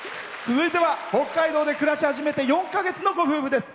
続いては北海道で暮らし始めて４か月のご夫婦です。